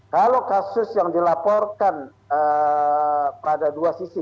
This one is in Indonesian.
kalau kasus yang dilaporkan pada dua sisi